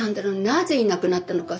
なぜいなくなったのか。